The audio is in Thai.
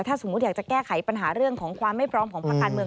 ถ้าสมมุติอยากจะแก้ไขปัญหาเรื่องของความไม่พร้อมของภาคการเมือง